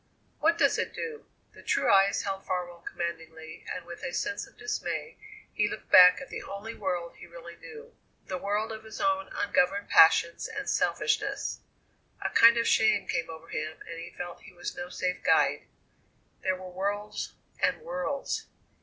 "What does it do?" The true eyes held Farwell commandingly, and with a sense of dismay he looked back at the only world he really knew: the world of his own ungoverned passions and selfishness. A kind of shame came over him, and he felt he was no safe guide. There were worlds and worlds!